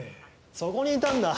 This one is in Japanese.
そこにいたんだ。